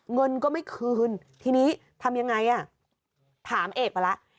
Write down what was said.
เงินก็ไม่คืนทีนี้ทำยังไงอ่ะถามเอกไปแล้ว